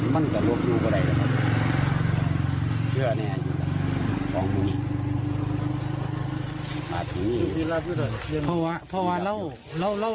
มันก็รวบอยู่กับใดแล้วครับเพราะว่าพอว่าพอว่าเราเราเรา